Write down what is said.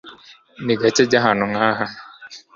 Ni gake ajya ahantu nkaha